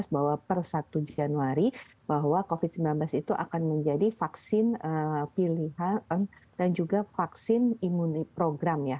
bahwa per satu januari bahwa covid sembilan belas itu akan menjadi vaksin pilihan dan juga vaksin imun program ya